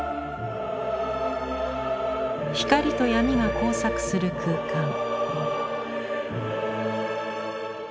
光と闇が交錯する空間。